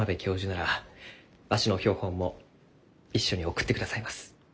ならわしの標本も一緒に送ってくださいます。